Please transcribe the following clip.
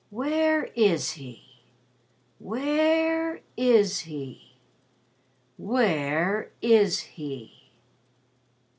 "Where is he? Where is he? Where is he?"